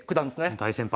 大先輩。